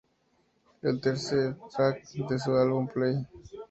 Es el tercer "track" de su álbum Play.